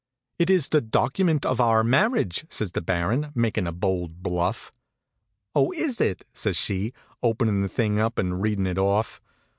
"It is the document of our marriage," says the Baron, makin' a bold bluff. "Oh, is it?" says she, openin' the thing up, and reading it off.